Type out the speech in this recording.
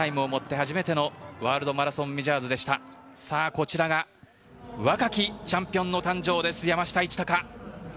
こちらが若きチャンピオンの誕生です。